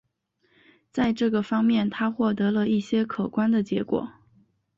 在这个方面他获得了一些可观的结果。